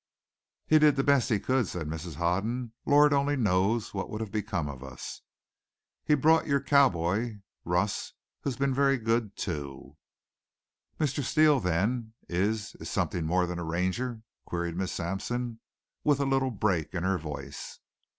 "He did the best he could," said Mrs. Hoden. "Lord only knows what would have become of us! He brought your cowboy, Russ, who's been very good too." "Mr. Steele, then is is something more than a Ranger?" queried Miss Sampson, with a little break in her voice.